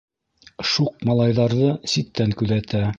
Шуҡ малайҙарҙы ситтән күҙәтә.